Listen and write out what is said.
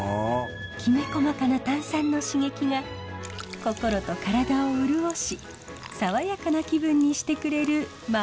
きめ細かな炭酸の刺激が心と体を潤し爽やかな気分にしてくれる魔法の水に出会いました。